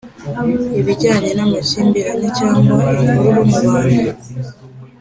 ibijyanye n amakimbirane cyangwa imvururu mubantu